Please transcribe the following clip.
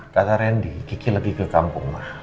kata randy kiki lebih ke kampung